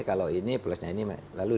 kalau ini plusnya ini lalu